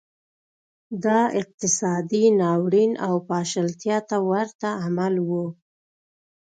دا اقتصادي ناورین او پاشلتیا ته ورته عمل و